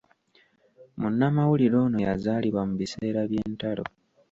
Munnamawulire ono yazaalibwa mu biseera by’entalo.